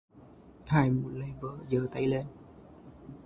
Ai muốn lấy vợ dơ tay lên